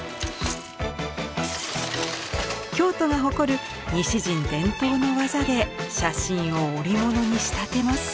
京都が誇る西陣伝統の技で写真を織物に仕立てます。